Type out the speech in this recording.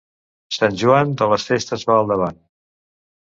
Sant Joan, de les festes va al davant.